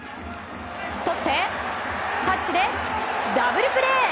取って、タッチでダブルプレー！